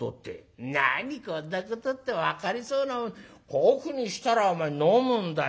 こんなことって分かりそうなこういうふうにしたら飲むんだよ」。